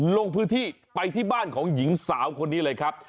ลงพื้นที่ไปที่บ้านของหญิงสาวคนนี้เลยครับ